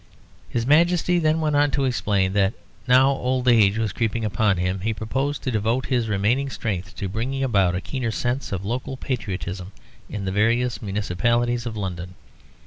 His Majesty then went on to explain that, now old age was creeping upon him, he proposed to devote his remaining strength to bringing about a keener sense of local patriotism in the various municipalities of London.